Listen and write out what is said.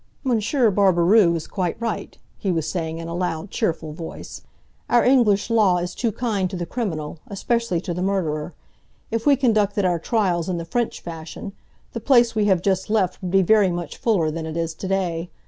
"Monsieur Barberoux is quite right," he was saying in a loud, cheerful voice, "our English law is too kind to the criminal, especially to the murderer. If we conducted our trials in the French fashion, the place we have just left would be very much fuller than it is to day.